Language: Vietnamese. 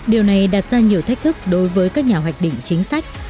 điều này đặt ra nhiều thách thức đối với các nhà hoạch định chính sách